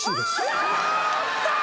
やったー！